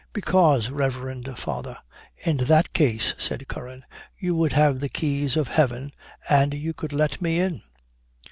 "'Because, reverend father, in that case,' said Curran, 'you would have the keys of heaven, and you could let me in.'